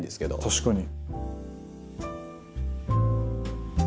確かに。